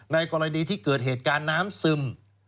กรณีที่เกิดเหตุการณ์น้ำซึม